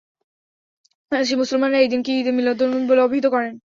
বাংলাদেশি মুসলমানরা এই দিনকে ঈদ-এ-মিলাদুন্নবী বলে অভিহিত করেন।